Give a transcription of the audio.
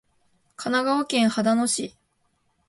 神奈川県秦野市